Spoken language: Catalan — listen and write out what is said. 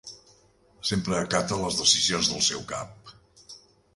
Sempre acata les decisions del seu cap.